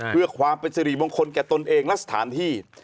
เพื่อความเป็นสิริมงคลแก่ตนเองและสถานที่